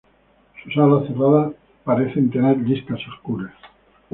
Sus alas cerradas parecen tener listas oscuras.